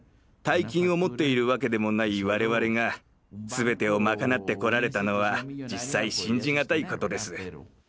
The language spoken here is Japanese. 大金を持っているわけでもない我々が全てを賄ってこられたのは実際信じがたいことです。